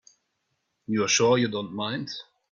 You're sure you don't mind?